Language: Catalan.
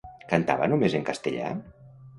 Cantava només en castellà?